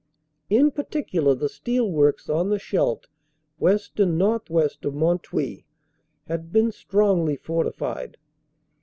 In particular the steel works on the Scheldt west and northwest of Mont Houy had been strongly fortified.